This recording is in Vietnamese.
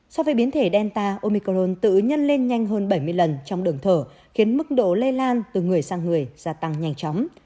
so với biến thể delta omicrone tự nhân lên nhanh hơn bảy mươi lần trong đường thở khiến mức độ lây lan từ người sang người gia tăng nhanh chóng